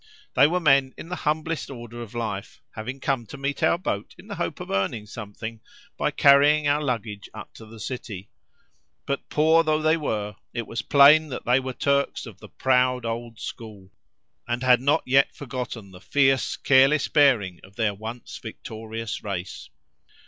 They were men in the humblest order of life, having come to meet our boat in the hope of earning something by carrying our luggage up to the city; but poor though they were, it was plain that they were Turks of the proud old school, and had not yet forgotten the fierce, careless bearing of their once victorious race.